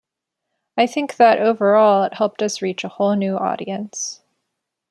I think that overall, it helped us reach a whole new audience.